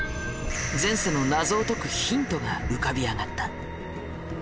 前世の謎を解くヒントが浮かび上がった。